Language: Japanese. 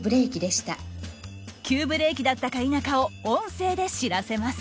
急ブレーキだったか否かを音声で知らせます。